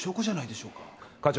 課長。